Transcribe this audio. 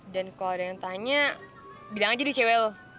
dan kalau ada yang tanya bilang aja deh cewe lo